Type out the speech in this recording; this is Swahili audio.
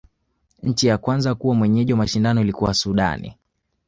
nchi ya kwanza kuwa mwenyeji wa mashindano ilikua ni sudan